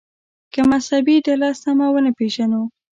که مذهبي ډله سمه ونه پېژنو.